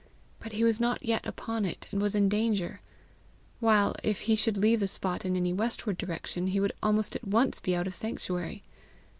But he was not yet upon it, and was in danger; while, if he should leave the spot in any westward direction, he would almost at once be out of sanctuary!